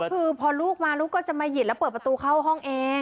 คือพอลูกมาลูกก็จะมาหยิบแล้วเปิดประตูเข้าห้องเอง